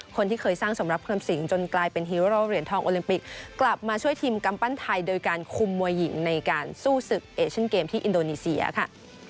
คนที่เคยสร้างสำหรับเพิ่มสิงจนกลายเป็นฮีโร่เหรียญทองโอลิมปิกกลับมาช่วยทีมกำปั้นไทยโดยการคุมมวยหญิงในการสู้ศึกเอเชียนเกมที่อินโดนีเซียค่ะ